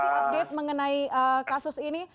kita akan nanti update mengenai kasus ini